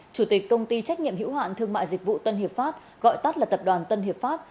chủ tịch công ty trách nhiệm hữu hạn thương mại dịch vụ tân hiệp pháp gọi tắt là tập đoàn tân hiệp pháp